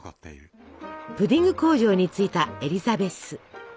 プディング工場に着いたエリザベス。